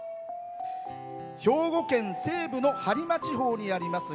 兵庫県西部の播磨地方にあります